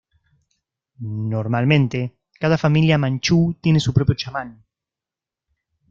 Normalmente, cada familia manchú tiene su propio chamán.